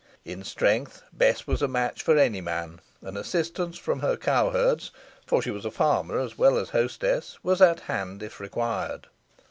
In strength Bess was a match for any man, and assistance from her cowherds for she was a farmer as well as hostess was at hand if required.